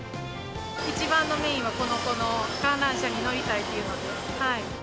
一番のメインは、この子の観覧車に乗りたいっていうので。